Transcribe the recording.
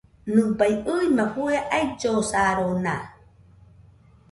Nɨbaɨ ɨima fue aillosarona.